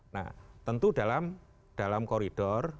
nah tentu dalam koridor